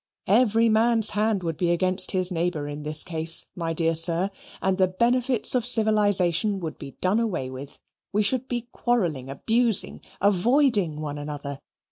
Every man's hand would be against his neighbour in this case, my dear sir, and the benefits of civilization would be done away with. We should be quarrelling, abusing, avoiding one another.